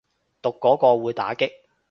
讀嗰個會打棘